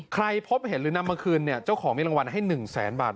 ใครพบเห็นหรือนำมาคืนเนี่ยเจ้าของให้ลางวัล๑แสนบาท